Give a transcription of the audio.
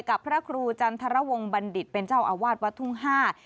กับพระครูจันทรวงบัณฑิตเป็นเจ้าอวาสวทธิ์๕